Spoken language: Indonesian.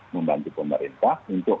membantu pemerintah untuk